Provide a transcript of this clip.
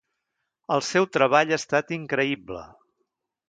El seu treball ha estat increïble.